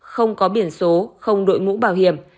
không có biển số không đội ngũ bảo hiểm